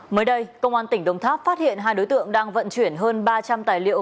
mới đây công an tỉnh đồng tháp phát hiện hai đối tượng đang vận chuyển hơn ba trăm linh tài liệu